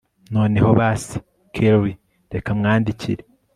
noneho basi kelli reka mwandikire